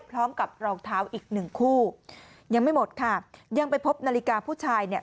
พร้อมกับรองเท้าอีกหนึ่งคู่ยังไม่หมดค่ะยังไปพบนาฬิกาผู้ชายเนี่ย